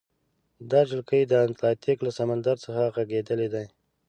دا جلګې د اتلانتیک له سمندر څخه غزیدلې دي.